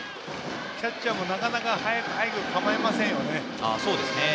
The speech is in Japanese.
キャッチャーもなかなか早く構えません。